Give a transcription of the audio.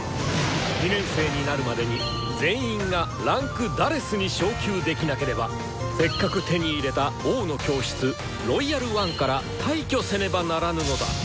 ２年生になるまでに全員が位階「４」に昇級できなければせっかく手に入れた「王の教室」「ロイヤル・ワン」から退去せねばならぬのだ！